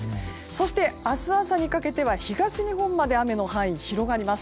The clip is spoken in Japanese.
そして明日朝にかけては東日本まで雨の範囲が広がります。